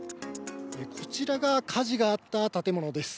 こちらが火事があった建物です。